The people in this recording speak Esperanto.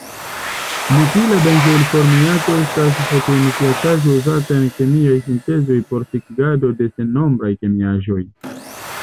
Metila benzoilformiato estas fotoiniciataĵo uzata en kemiaj sintezoj por sekigado de sennombraj kemiaĵoj.